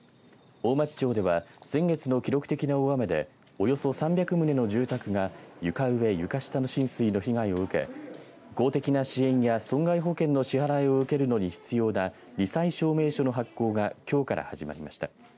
大町町では先月の記録的な大雨でおよそ３００棟の住宅が床上・床下浸水の被害を受け公的な支援や損害保険の支払いを受けるのに必要なり災証明書の発行がきょうから始まりました。